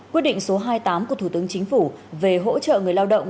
quyết định số hai mươi tám của thủ tướng chính phủ về hỗ trợ người lao động